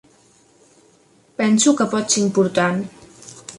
Penso que pot ser important.